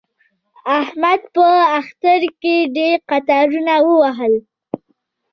احمد په اختر کې ډېر قطارونه ووهل.